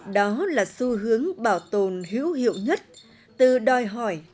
đó là xu hướng bảo tồn hữu hiệu nhất từ đòi hỏi